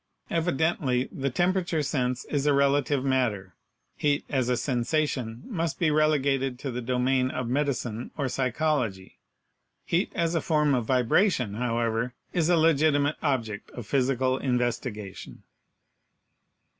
Evidently the temperature sense is a relative matter. Heat as a sen sation must be relegated to the domain of medicine or psychology; heat as a form of vibration, however, is a legitimate object of physical investigation.